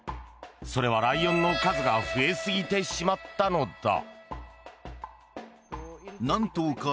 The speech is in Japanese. それはライオンの数が増えすぎてしまったのだ。